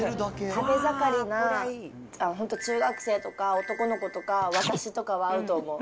食べ盛りな本当、中学生とか、男の子とか、私とかは合うと思う。